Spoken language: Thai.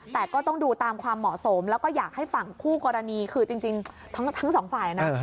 แต่ก็ต้องดูตามความเหมาะสมแล้วก็อยากให้ฝั่งคู่กรณีคือจริงทั้งสองฝ่ายนะ